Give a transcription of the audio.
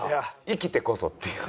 『生きてこそ』っていう。